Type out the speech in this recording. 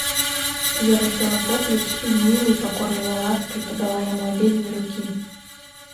Вера села поплеч і з мілай, пакорлівай ласкай падала яму абедзве рукі.